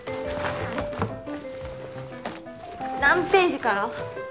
何ページから？